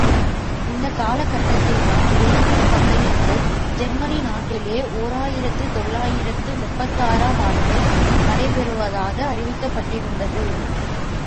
இந்த காலகட்டத்தில்தான், ஒலிம்பிக் பந்தயங்கள் ஜெர்மனி நாட்டிலே ஓர் ஆயிரத்து தொள்ளாயிரத்து முப்பத்தாறு ஆம் ஆண்டு நடைபெறுவதாக அறிவிக்கப்பட்டிருந்தது.